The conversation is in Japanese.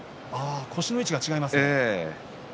腰の位置が違いますね。